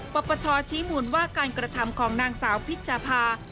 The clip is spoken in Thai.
ปปชชี้มูลว่าการกระทำของนางสาวพิชภา